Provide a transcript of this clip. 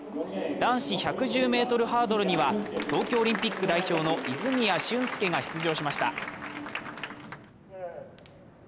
男子１１０ｍハードルには、東京オリンピック代表の泉谷駿介が出場しました。